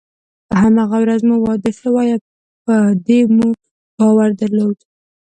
په هماغه ورځ مو واده شوی او په دې مو باور درلود.